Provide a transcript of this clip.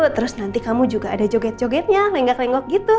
terus nanti kamu juga ada joget jogetnya lenggak lenggok gitu